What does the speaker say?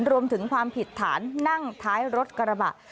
รวมถึงความผิดฐานนั่งท้ายรถกระบะ